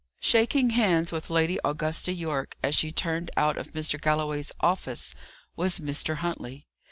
Shaking hands with Lady Augusta Yorke as she turned out of Mr. Galloway's office, was Mr. Huntley.